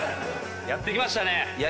やってきましたね。